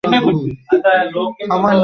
সবসময় সবকিছুতে এরকম ইতিবাচক ব্যাপার বের করো?